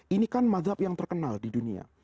ini kan mazhab yang terkenal di dunia